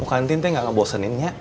bukan tinte gak ngebosenin ya